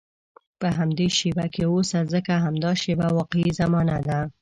په همدې شېبه کې اوسه، ځکه همدا شېبه واقعي زمانه ده.